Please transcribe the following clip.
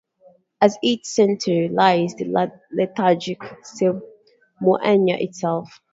At its center lies the lethargic Semuanya itself.